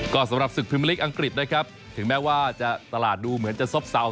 ก็สำหรับศึกพิมพลิกอังกฤษนะครับถึงแม้ว่าจะตลาดดูเหมือนจะซบเซา